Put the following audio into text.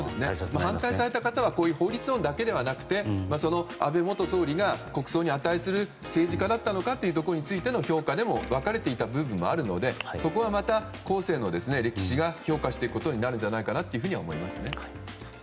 反対された方は法律論だけではなくて安倍元総理が国葬に値する政治家だったのかというところについての評価でも分かれていた部分があるのでそこはまた後世の歴史が評価していくことになるんじゃないかと思います。